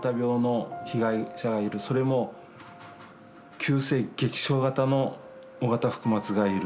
それも急性劇症型の緒方福松がいる。